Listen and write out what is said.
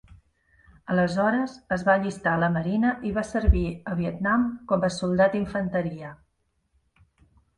Aleshores es va allistar a la marina i va servir a Vietnam com a soldat d'infanteria.